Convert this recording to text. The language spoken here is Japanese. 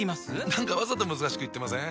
何かわざと難しく言ってません？